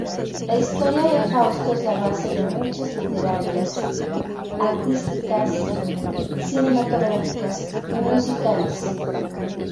La historia de Fausto es la base de muchas literarias, artísticas, cinematográficas y musicales.